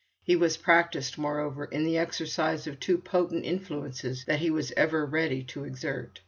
He was practised, moreover, in the exercise of two potent influences that he was ever ready to exert.